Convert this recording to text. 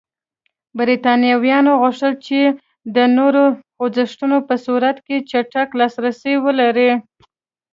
برېټانویانو غوښتل چې د نورو خوځښتونو په صورت کې چټک لاسرسی ولري.